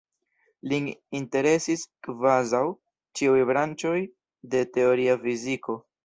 Lin interesis kvazaŭ ĉiuj branĉoj de teoria fiziko.